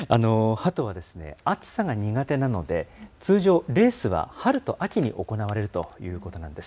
ハトはですね、暑さが苦手なので、通常、レースは春と秋に行われるということなんです。